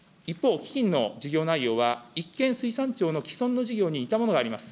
事業内容は一見水産庁の既存の事業に似たものがあります。